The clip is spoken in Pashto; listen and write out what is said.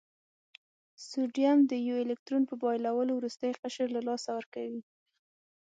سوډیم د یو الکترون په بایللو وروستی قشر له لاسه ورکوي.